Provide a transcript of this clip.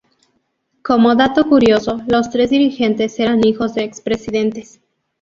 Como dato curioso, los tres dirigentes eran hijos de expresidentes.